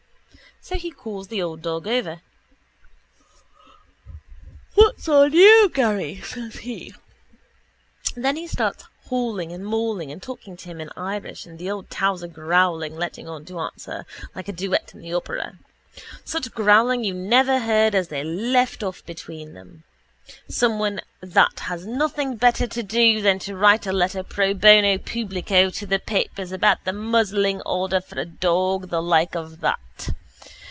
So he calls the old dog over. —What's on you, Garry? says he. Then he starts hauling and mauling and talking to him in Irish and the old towser growling, letting on to answer, like a duet in the opera. Such growling you never heard as they let off between them. Someone that has nothing better to do ought to write a letter pro bono publico to the papers about the muzzling order for a dog the like of that.